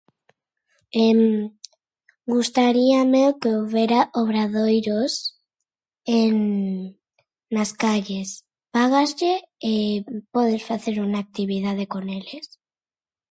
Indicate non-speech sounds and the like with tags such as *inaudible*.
*hesitation* Gustaríame que houbera obradoiros en nas calles. Págaslle e podes facer unha actividade con eles.